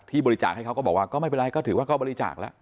บริจาคให้เขาก็บอกว่าก็ไม่เป็นไรก็ถือว่าก็บริจาคแล้ว